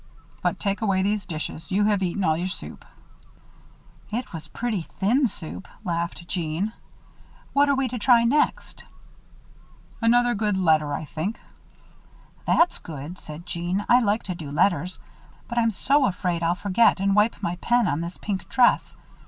But take away these dishes you have eaten all your soup." "It was pretty thin soup," laughed Jeanne. "What are we to try next?" "Another letter, I think." "That's good," said Jeanne. "I like to do letters, but I'm so afraid I'll forget and wipe my pen on this pink dress.